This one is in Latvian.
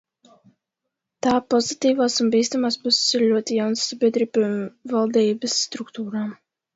Tā pozitīvās un bīstamās puses ir ļoti jaunas sabiedrībai un valdības struktūrām.